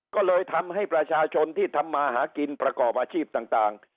ก็เลยทำให้ประชาชนที่ทำมาหากินประกอบอาชีพต่าง